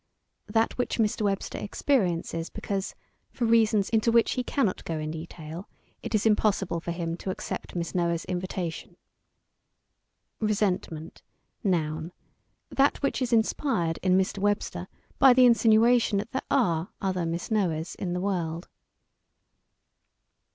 _ That which Mr. Webster experiences because, for reasons into which he cannot go in detail, it is impossible for him to accept Miss Noah's invitation. "RE SENT MENT, n. That which is inspired in Mr. Webster by the insinuation that there are other Miss Noahs in the world."